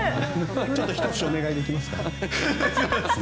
ちょっと一節お願いできますか？